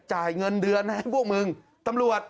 จ่ายเงินเดือนให้พวกมึงตำรวจ